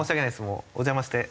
もうお邪魔して。